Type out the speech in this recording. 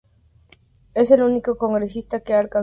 Es el único congresista que ha alcanzado esa edad.